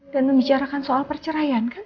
dan membicarakan soal perceraian kan